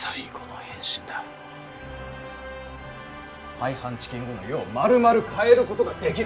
廃藩置県後の世をまるまる変えることができる。